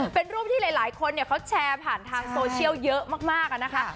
เป็นรูปที่หลายคนเขาแชร์ผ่านทางโซเชียลเยอะมากนะคะ